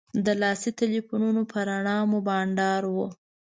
د لاسي تیلفونو په رڼا مو بنډار و.